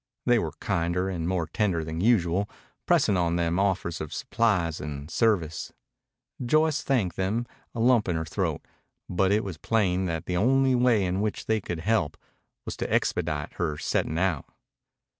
They were kinder and more tender than usual, pressing on them offers of supplies and service. Joyce thanked them, a lump in her throat, but it was plain that the only way in which they could help was to expedite her setting out.